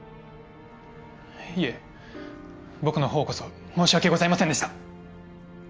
いえ僕の方こそ申し訳ございませんでした